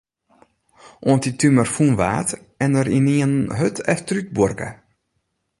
Oant dy tumor fûn waard, en er ynienen hurd efterútbuorke.